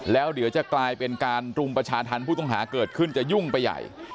แล้วเดี๋ยวจะกลายเป็นการรุมประชาธรรมผู้ต้องหาเกิดขึ้นจะยุ่งไปใหญ่